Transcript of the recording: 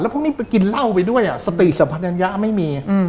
แล้วพวกนี้กินเหล้าไปด้วยอะสติสัมพันธ์ยังยะไม่มี